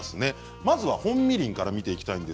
まずは本みりんから見ていきます。